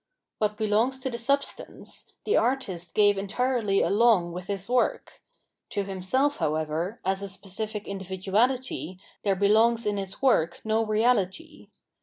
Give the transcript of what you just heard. What belongs to the sub stance, the artist gave entirely along with his work ; to himself, however, as a specific individuahty there 720 Phenomenology of Mind belongs in his work no reality.